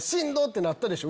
てなったでしょ？